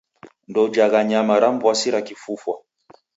Ndoujagha nyama ram'w'asira kifufwa.